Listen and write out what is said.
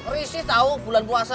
rishi tau bulan puasa